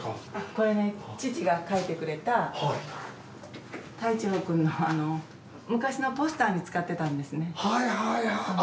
これね父が描いてくれた鯛一郎クンの昔のポスターに使ってたんですね。